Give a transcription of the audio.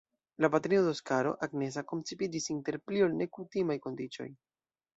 La patrino de Oskaro – Agnesa – koncipiĝis inter pli ol nekutimaj kondiĉoj.